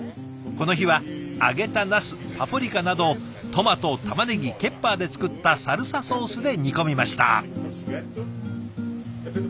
この日は揚げたナスパプリカなどをトマトタマネギケッパーで作ったサルサソースで煮込みました。